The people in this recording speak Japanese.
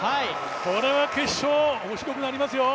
これは決勝、面白くなりますよ。